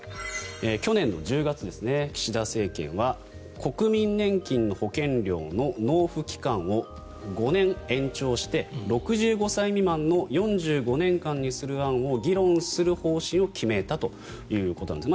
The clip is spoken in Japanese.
去年１０月、岸田政権は国民年金の保険料の納付期間を５年延長して６５歳未満の４５年間にする案を議論する方針を決めたということなんですね。